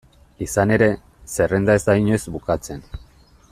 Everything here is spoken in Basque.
Izan ere, zerrenda ez da inoiz bukatzen.